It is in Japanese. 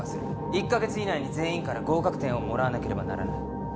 １カ月以内に全員から合格点をもらわなければならない